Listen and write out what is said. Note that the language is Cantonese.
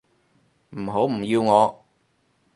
唔好唔要我